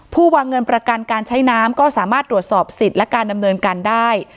วางเงินประกันการใช้น้ำก็สามารถตรวจสอบสิทธิ์และการดำเนินการได้